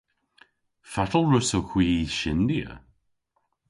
Fatel wrussowgh hwi hy shyndya?